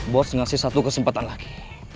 bos ngasih satu kesempatan lagi